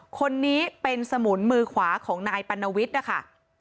คนนี้เป็นสมุนมือขวาของนายปัณวิทย์นะคะ